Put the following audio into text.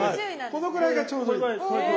このぐらいがちょうどいい。